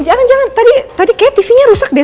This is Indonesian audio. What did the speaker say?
jangan jangan tadi kayak tv nya rusak deh